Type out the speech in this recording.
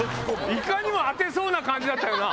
いかにも当てそうな感じだったよな。